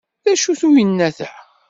D acu-t uyennat-a?